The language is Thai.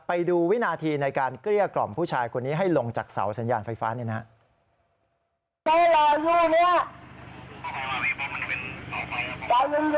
ไปดูวินาทีในการเกลี้ยกล่อมผู้ชายคนนี้ให้ลงจากเสาสัญญาณไฟฟ้าหน่อยนะครับ